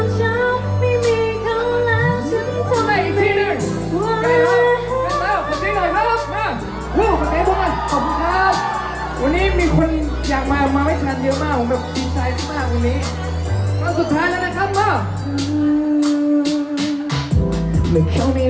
ฉันอยู่ตากส้นทางกลางหล่อยน้ำ